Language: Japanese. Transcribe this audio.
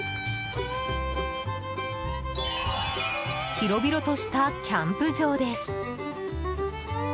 広々としたキャンプ場です。